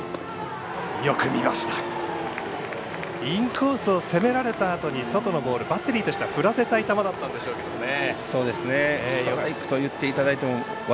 インコースを攻められたあとに外のボール振らせたい球だったんでしょうけどね。